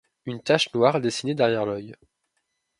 Une tache noire est dessinée derrière l'œil.